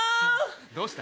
どうした？